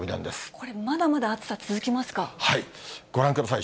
これ、まだまだ暑さ続きますご覧ください。